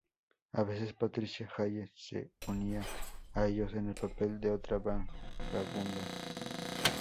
A veces Patricia Hayes se unía a ellos en el papel de otra vagabunda.